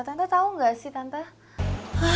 tante tau gak sih tante